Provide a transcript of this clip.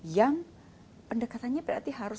yang pendekatannya berarti harus